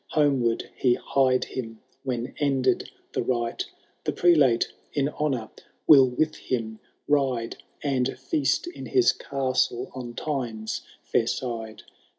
Homeward he hied him when ended the rite ; The prelate in honour will with him ride. And feast in his castle on Tyne's fair side.